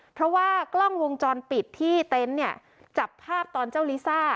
เพราะว่ากล้องวงจรปิดที่เต็นต์เนี่ยจับภาพตอนเจ้าลิซ่า